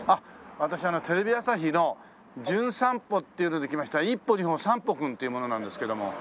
私テレビ朝日の『じゅん散歩』っていうので来ました１歩２歩３歩君っていう者なんですけども。